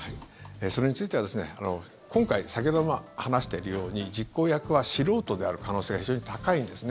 それについてはですね今回、先ほども話しているように実行役は素人である可能性が非常に高いんですね。